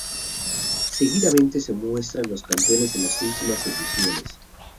Seguidamente se muestran los campeones de las últimas ediciones.